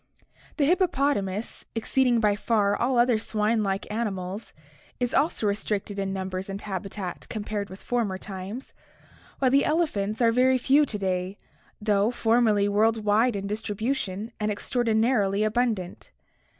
The hippopotamus, exceeding by far all other swine like animals, is also restricted in numbers and habitat compared with former times, while the elephants are very few to day, though formerly world wide in distribution and extraordinarily abundant.